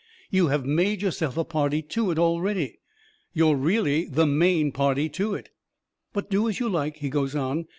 You have made yourself a party to it already. You're really the MAIN party to it. "But do as you like," he goes on.